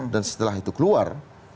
dan setelah itu keluar